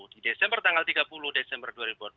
di desember tanggal tiga puluh desember dua ribu dua puluh